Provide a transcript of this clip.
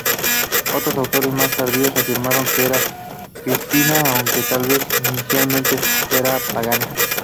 Otros autores más tardíos afirmaron que era cristiana, aunque tal vez inicialmente fuera pagana.